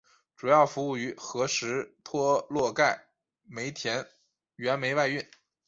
主要服务于和什托洛盖煤田原煤外运。